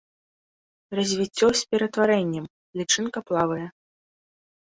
Развіццё з ператварэннем, лічынка плавае.